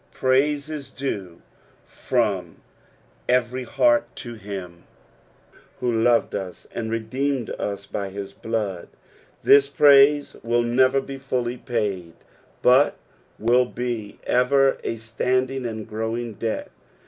Praise is due from every heart to him who loved ns, and redeemed us hy his blood ; this praise will never be fully piiid. but will be ever a standing and growing debt.